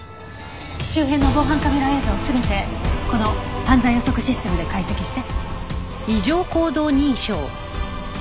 周辺の防犯カメラ映像を全てこの犯罪予測システムで解析して。